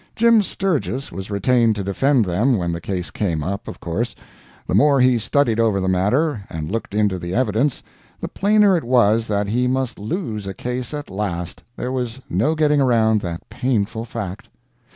Jim Sturgis was retained to defend them when the case came up, of course. The more he studied over the matter, and looked into the evidence, the plainer it was that he must lose a case at last there was no getting around that painful fact.